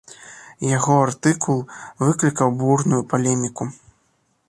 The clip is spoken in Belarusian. Яго артыкул выклікаў бурную палеміку.